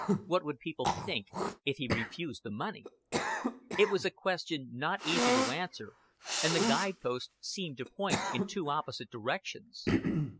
What would people think if he refused the money? It was a question not easy to answer, and the guide post seemed to point in two opposite directions.